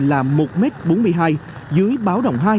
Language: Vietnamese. là một m bốn mươi hai dưới báo đồng hai